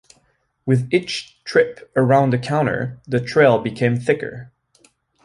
With each trip around the counter, the trail became thicker.